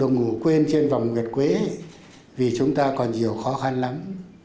ngủ quên trên vòng nguyệt quế vì chúng ta còn nhiều khó khăn lắm